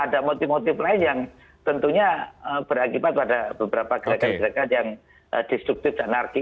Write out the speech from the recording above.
ada motif motif lain yang tentunya berakibat pada beberapa gerakan gerakan yang destruktif dan narki